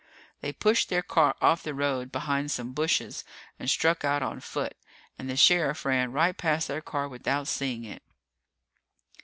They pushed their car off the road behind some bushes and struck out on foot, and the sheriff ran right past their car without seeing it.